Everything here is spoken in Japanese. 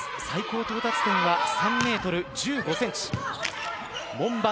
最高到達点は３ｍ１５ｃｍ。